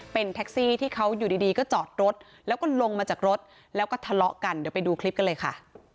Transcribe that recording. เป็นแท็กซี่ที่เขาอยู่ดีก็จอดรถแล้วก็ลงมาจากรถแล้วก็ทะเลาะกันเดี๋ยวไปดูคลิปกันเลยค่ะ